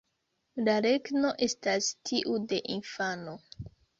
La regno estas tiu de infano"".